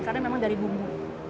karena memang dari bumbu